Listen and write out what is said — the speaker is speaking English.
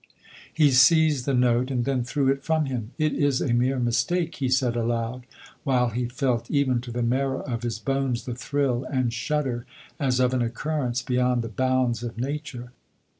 He seized the note, and then threw it from him. " It is a mere mistake," he said aloud, while he felt, even to the marrow of his bones, the thrill and shudder as of an occurrence beyond the bounds of nature.